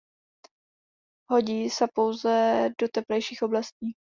Hodí sa pouze do teplejších oblastí.